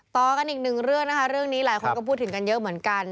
ต่อกันอีกหนึ่งเรื่องนะคะเรื่องนี้หลายคนก็พูดถึงกันเยอะเหมือนกัน